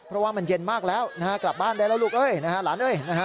เพราะว่ามันเย็นมากแล้วกลับบ้านได้แล้วลูกล้าน